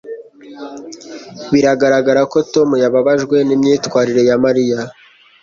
biragaragara ko tom yababajwe n'imyitwarire ya mariya